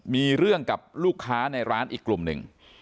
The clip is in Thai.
มีเรื่องกับลูกค้าในร้านอีกกลุ่มหนึ่ง